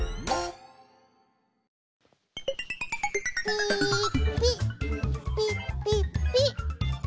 ピーッピッピッピッピッ！